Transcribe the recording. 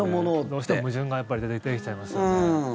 どうしても矛盾が出てきちゃいますよね。